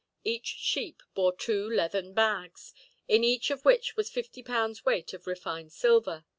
Each sheep bore two leathern bags, in each of which was fifty pounds weight of refined silver.